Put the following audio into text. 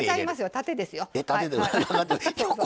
縦ですよ。